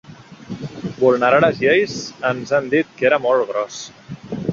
Vulnerar les lleis ens han dit que era molt gros.